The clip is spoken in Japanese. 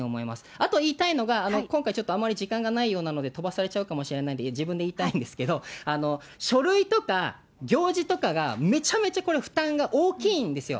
あと言いたいのが、今回、ちょっとあまり時間がないようなので飛ばされちゃうかもしれないんで、自分で言いたいんですけど、書類とか、行事とかが、めちゃめちゃこれ、負担が大きいんですよ。